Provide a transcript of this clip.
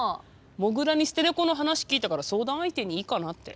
もぐらに捨てネコの話聞いたから相談相手にいいかなって。